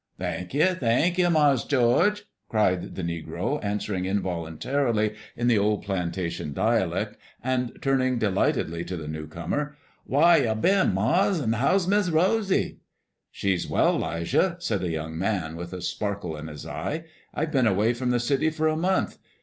"Thank ye, thank ye, mars' George," cried the negro, answering involuntarily in the old plantation dialect, and turning delightedly to the newcomer. "Wh whar you been, Mars,' an' how's Miss Rosy?" "She's well, 'Lijah," said the young man, with a sparkle in his eye. "I've been away from the city for a month.